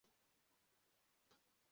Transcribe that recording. umugabo atera inkoni n'imbwa areba